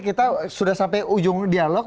kita sudah sampai ujung dialog